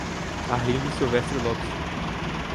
Arlindo Silvestre Lopes